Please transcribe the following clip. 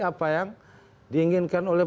apa yang diinginkan oleh